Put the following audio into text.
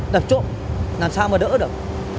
đập trộm làm sao mà đỡ được